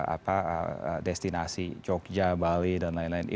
apa destinasi jogja bali dan lain lain